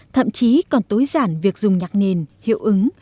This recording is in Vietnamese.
thậm chí còn tối giản việc dùng nhạc nền hiệu ứng